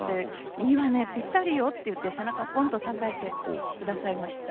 いいわねぴったりよって言って背中をぽんとたたいてくださいました。